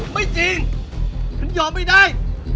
ไม่จริงถึงยอมไม่ได้